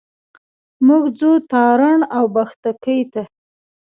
موږ ځو تارڼ اوبښتکۍ ته.